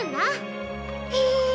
へえ！